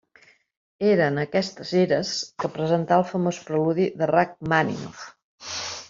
Era en aquestes gires que presentà el famós Preludi de Rakhmàninov.